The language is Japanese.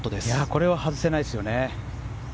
これは外せないですよね。